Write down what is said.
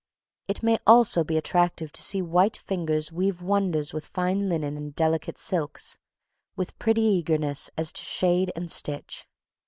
It may also be attractive to see white fingers weave wonders with fine linen and delicate silks, with pretty eagerness as to shade and stitch.